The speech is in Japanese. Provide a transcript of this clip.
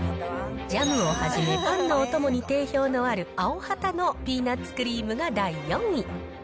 ジャムをはじめ、パンのお供に定評のあるアヲハタのピーナッツクリームが第４位。